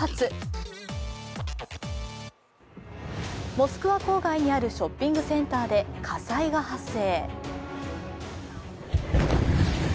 モスクワ郊外にあるショッピングセンターで火災が発生。